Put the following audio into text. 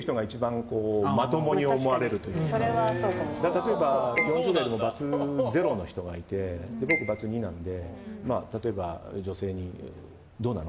例えば、４０代でもバツ０の人がいて僕、バツ２なので例えば女性にどうなの？